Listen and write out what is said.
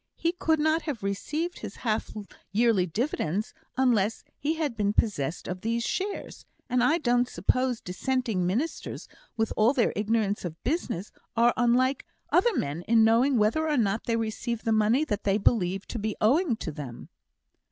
He could not have received his half yearly dividends unless he had been possessed of these shares; and I don't suppose Dissenting ministers, with all their ignorance of business, are unlike other men in knowing whether or not they receive the money that they believe to be owing to them."